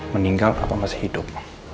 meninggal atau masih hidup